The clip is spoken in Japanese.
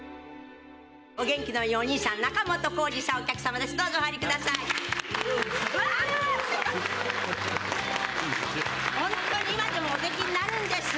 お元気のいいお兄さん仲本工事さん、お客様です